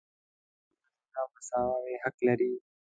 نارینه او ښځې مساوي حق لري.